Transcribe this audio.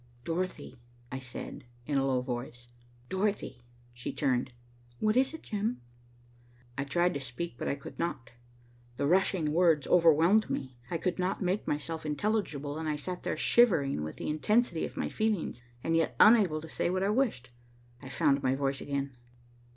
"Dorothy," I said, in a low voice, "Dorothy." She turned. "What is it, Jim?" she said. I tried to speak but I could not. The rushing words overwhelmed me. I could not make myself intelligible, and I sat there shivering with the intensity of my feeling, and yet unable to say what I wished. I found my voice again.